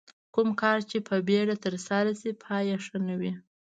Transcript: کوم کار چې په بیړه ترسره شي پای یې ښه نه وي.